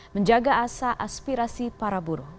menjaga asa aspirasi para buruh